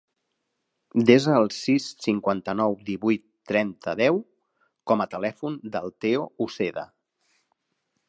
Desa el sis, cinquanta-nou, divuit, trenta, deu com a telèfon del Theo Uceda.